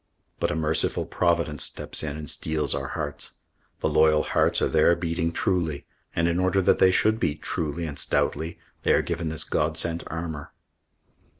But a merciful Providence steps in and steels our hearts. The loyal hearts are there beating truly; and in order that they should beat truly and stoutly, they are given this God sent armour.